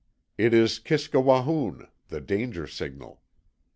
It is Kiskewahoon (the Danger Signal).